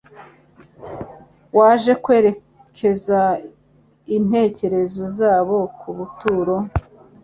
waje kwerekeza intekerezo zabo ku buturo